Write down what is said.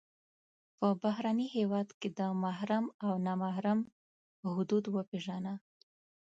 د بهرني هېواد د محرم او نا محرم حدود وپېژنه.